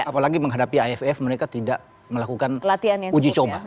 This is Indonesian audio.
apalagi menghadapi aff mereka tidak melakukan uji coba